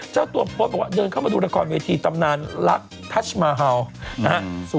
เจ้าตัวโพสต์บอกว่าเดินเข้ามาดูละครเวทีตำนานรักทัชมาฮาวนะฮะ